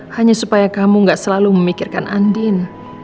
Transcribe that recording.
hanya supaya kamu gak selalu memikirkan andin